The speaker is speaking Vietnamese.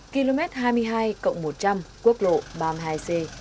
km hai mươi hai một trăm linh quốc lộ ba mươi hai c